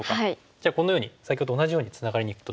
じゃあこのように先ほどと同じようにツナがりにいくとどうですか？